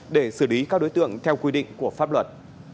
để xử lý các đối tượng theo quy định của pháp luật